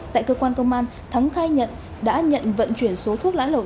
tại cơ quan công an thắng khai nhận đã nhận vận chuyển số thuốc lá lậu